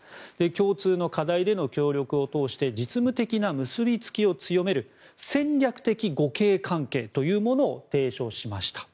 共通の課題での協力を通して実務的な結びつきを強める戦略的互恵関係というものを提唱しました。